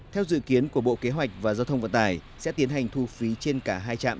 theo dự kiến của bộ kế hoạch và giao thông vận tải sẽ tiến hành thu phí trên cả hai trạm